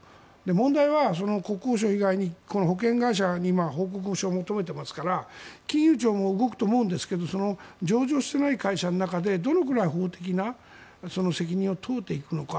問題は国交省以外にこの保険会社に報告書を求めていますから金融庁も動くと思うんですが上場していない会社の中でどのくらい法的な責任を問うていくのか。